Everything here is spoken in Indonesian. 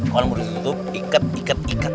kalau yang berusaha untuk ikat ikat ikat